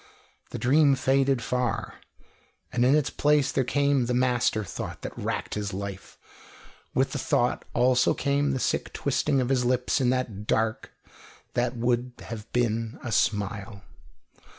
The dream faded far, and in its place there came the master thought that racked his life; with the thought also came the sick twisting of his lips in the dark that would have been a smile.